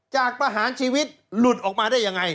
ประหารชีวิตหลุดออกมาได้ยังไง